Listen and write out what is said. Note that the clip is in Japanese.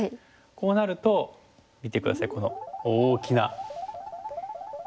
こうなると見て下さいこの大きな黒模様。